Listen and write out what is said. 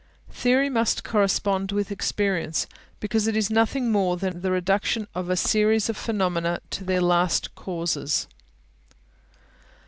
Theory must correspond with experience, because it is nothing more than the reduction of a series of phenomena to their last causes.